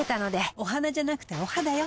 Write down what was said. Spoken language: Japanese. お花じゃなくてお肌よ。